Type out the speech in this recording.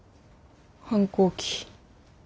反抗期。